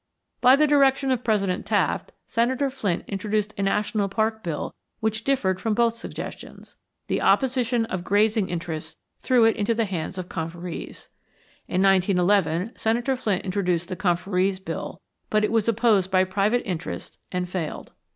By the direction of President Taft, Senator Flint introduced a national park bill which differed from both suggestions. The opposition of grazing interests threw it into the hands of conferees. In 1911 Senator Flint introduced the conferees' bill, but it was opposed by private interests and failed.